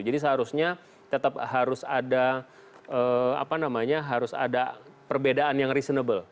jadi seharusnya tetap harus ada perbedaan yang reasonable